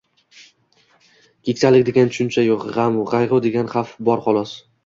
Keksalik degan tushuncha yo’q. G’am-qayg’u degan xavf bor xolos.